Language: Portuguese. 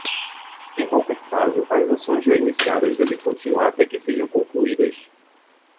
Em qualquer caso, as ações já iniciadas devem continuar até que sejam concluídas.